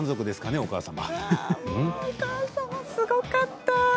お母様すごかった。